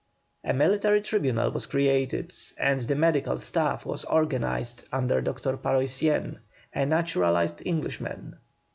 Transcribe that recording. A military tribunal was created, and the medical staff was organized under Dr. Paroissien, a naturalised Englishman.